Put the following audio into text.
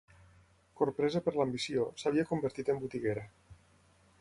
Corpresa per l'ambició, s'havia convertit en botiguera